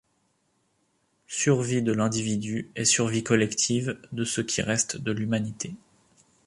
Survie de l'individu et survie collective de ce qui reste de l'humanité.